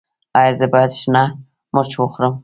ایا زه باید شنه مرچ وخورم؟